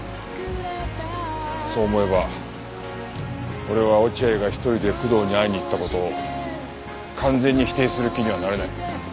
そう思えば俺は落合が１人で工藤に会いに行った事を完全に否定する気にはなれない。